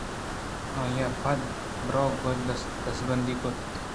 آئیءَپدا روباہءَگوں دستءُ دزبندی کُت